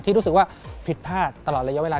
รู้สึกว่าผิดพลาดตลอดระยะเวลา